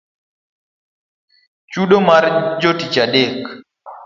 Chudo mar jotich odeko